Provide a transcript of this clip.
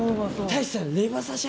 太一さん。